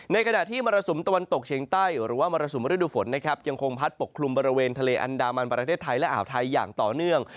ขณะที่มรสุมตะวันตกเฉียงใต้หรือว่ามรสุมฤดูฝนนะครับยังคงพัดปกคลุมบริเวณทะเลอันดามันประเทศไทยและอ่าวไทยอย่างต่อเนื่อง